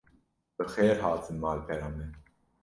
Bi xêr hatin malpera me